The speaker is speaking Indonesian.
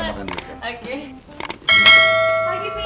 ya kita makan dulu